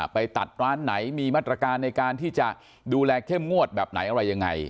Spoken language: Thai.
ไปตัดร้านไหนมีมาตรการในการที่จะดูแลเข้มงวดแบบไหนอะไรยังไง